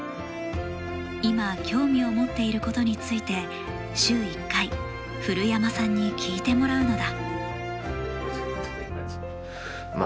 今、興味を持っていることについて週１回、古山さんに聞いてもらうのだ。